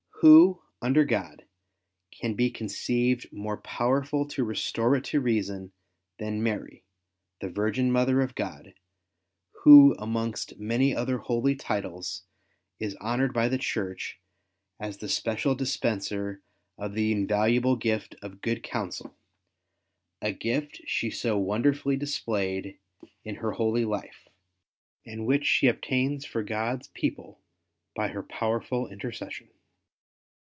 Who, under God, can be conceived more powerful to restore it to reason than Mary the Virgin Mother of God, who amongst many other holy titles, is honoured by the Church as the special dispenser of the invaluable gift of Good Counsel, agift She so wonderfully displayed 160 WAR OF ANTICHRIST WITH THE CHURCH. ill Her holy life, and which She obtains for God's people by Her powerful intercession.